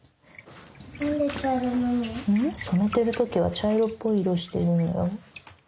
染めてる時は茶色っぽい色してるんだよ。